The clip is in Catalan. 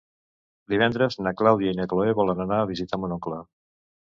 Divendres na Clàudia i na Cloè volen anar a visitar mon oncle.